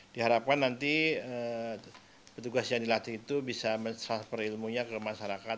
diharapkan nanti petugas yang dilatih itu bisa mentransfer ilmunya ke masyarakat